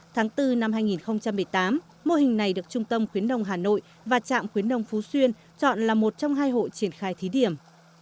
tháng bốn năm hai nghìn một mươi tám mô hình này được trung tâm khuyến nông hà nội và trạm khuyến nông phú xuyên chọn là một trong hai hộ triển khai thí điểm